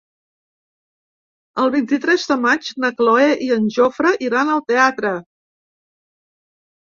El vint-i-tres de maig na Cloè i en Jofre iran al teatre.